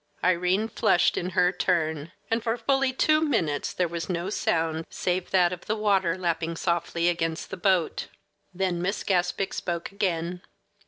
Irene flushed in her turn, and for fully two minutes there was no sound save that of the water lapping softly against the boat. Then Miss Gaspic spoke again.